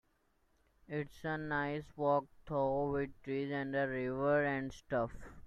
It's a nice walk though, with trees and a river and stuff.